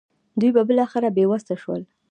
دوی به بالاخره بې وسه شول.